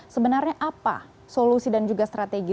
sebenarnya apa solusi dan juga strategi